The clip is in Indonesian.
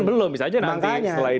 kan belum bisa aja nanti setelah ini